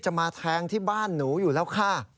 มาแทงที่บ้านหนูอยู่แล้วค่ะ